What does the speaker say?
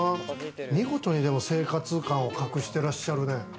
見事にでも生活感を隠してらっしゃるね。